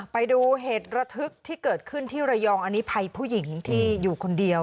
ไปดูเหตุระทึกที่เกิดขึ้นที่ระยองอันนี้ภัยผู้หญิงที่อยู่คนเดียว